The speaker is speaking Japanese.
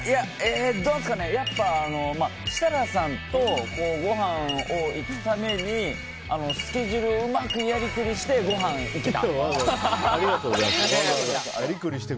やっぱ、設楽さんとごはんを行くためにスケジュールをうまくやりくりしてごはん、行けた！